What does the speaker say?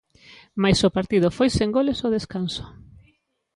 Mais o partido foi sen goles ao descanso.